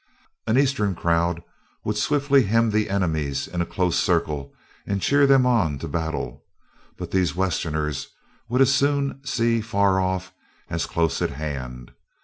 An Eastern crowd would swiftly hem the enemies in a close circle and cheer them on to battle; but these Westerners would as soon see far off as close at hand.